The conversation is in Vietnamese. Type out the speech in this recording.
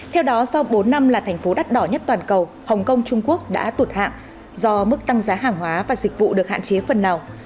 theo đó sau bốn năm là thành phố đắt đỏ nhất toàn cầu hồng kông trung quốc đã tụt hạng do mức tăng giá hàng hóa và dịch vụ được hạn chế phần nào